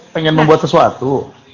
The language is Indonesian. pengen membuat sesuatu